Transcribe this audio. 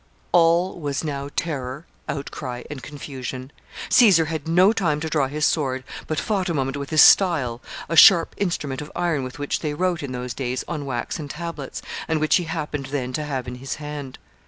[Sidenote: He resists.] All was now terror, outcry, and confusion Caesar had no time to draw his sword, but fought a moment with his style, a sharp instrument of iron with which they wrote, in those days, on waxen tablets, and which he happened then to have in his hand.